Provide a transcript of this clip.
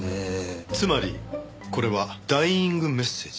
つまりこれはダイイングメッセージ。